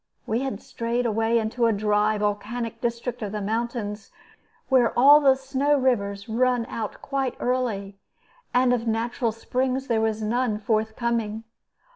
We had strayed away into a dry, volcanic district of the mountains, where all the snow rivers run out quite early; and of natural springs there was none forth coming.